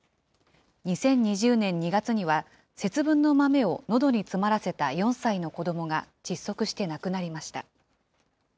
２０２０年２月には、節分の豆をのどに詰まらせた４歳の子どもが窒息して亡くなりました。